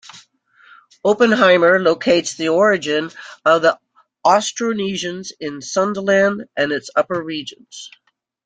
Oppenheimer locates the origin of the Austronesians in Sundaland and its upper regions.